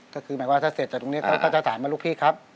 ก็คือหมายว่าถ้าเสร็จจากตรงนี้เขาก็จะถามมาลูกพี่ครับ